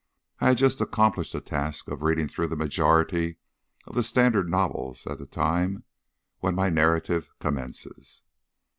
I had just accomplished the task of reading through the majority of the standard novels at the time when my narrative commences.